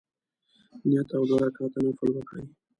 نیت او دوه رکعته نفل وکړي.